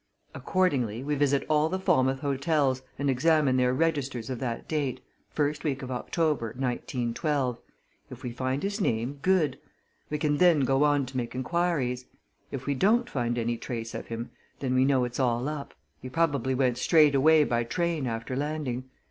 Accordingly, we visit all the Falmouth hotels and examine their registers of that date first week of October, 1912. If we find his name good! We can then go on to make inquiries. If we don't find any trace of him, then we know it's all up he probably went straight away by train after landing.